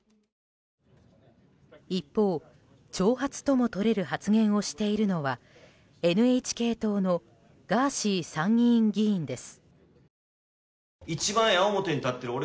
一方、挑発ともとれる発言をしているのはＮＨＫ党のガーシー参議院議員です。